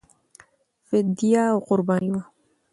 فدیه او قرباني وه.